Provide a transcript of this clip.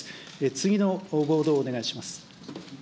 次のボードをお願いします。